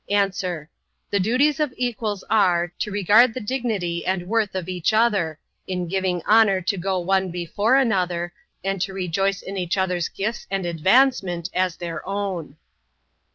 A. The duties of equals are, to regard the dignity and worth of each other, in giving honor to go one before another; and to rejoice in each others' gifts and advancement, as their own.